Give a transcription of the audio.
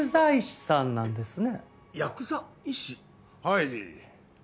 はい。